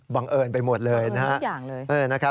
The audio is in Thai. บังเอิญไปหมดเลยนะฮะ